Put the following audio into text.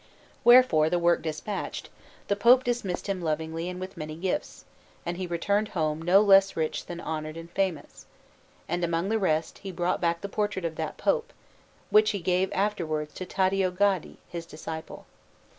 Wherefore, the work dispatched, the Pope dismissed him lovingly and with many gifts, and he returned home no less rich than honoured and famous; and among the rest he brought back the portrait of that Pope, which he gave afterwards to Taddeo Gaddi, his disciple.